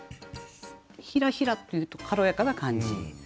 「ひらひら」っていうと軽やかな感じ。